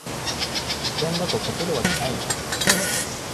初見だと解けるわけないよ